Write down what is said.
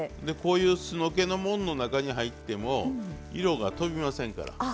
でこういう酢の気のもんの中に入っても色が飛びませんから。